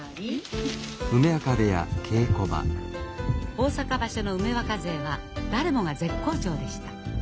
大阪場所の梅若勢は誰もが絶好調でした。